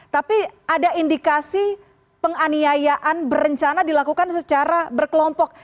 tapi ada indikasi penganiayaan berencana dilakukan secara berkelompok